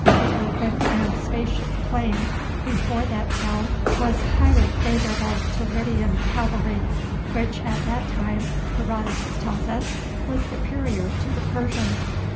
The open and spacious plain before that town was highly favorable to Lydian cavalry, which at that time (Herodotus tells us) was superior to the Persian.